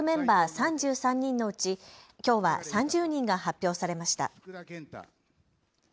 ３３人の内、きょうは３０人が発表されました。